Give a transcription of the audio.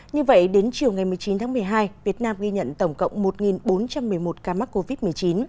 như vậy đến chiều ngày một mươi chín tháng một mươi hai việt nam ghi nhận tổng cộng một bốn trăm một mươi một ca mắc covid một mươi chín